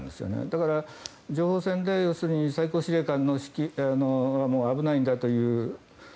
だから、情報戦で最高司令官の指揮も危ないんだという。